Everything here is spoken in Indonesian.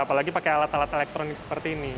apalagi pakai alat alat elektronik seperti ini